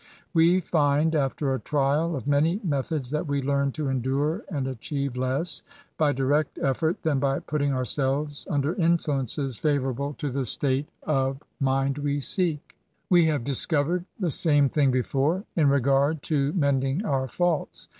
We find, after a trial of many methods, that we learn to endure and achieve less by direct effort than by putting our selves under influences favourable to the state of 218 B88AY8. mind we seek. We have discovered the saine thing before, in r^ard to mending oar faults.